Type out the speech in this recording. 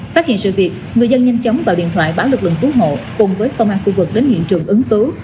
phát hiện sự việc người dân nhanh chóng gọi điện thoại báo lực lượng cứu hộ cùng với công an khu vực đến hiện trường ứng cứu